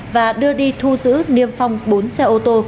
và đưa đi thu giữ niêm phong bốn xe ô tô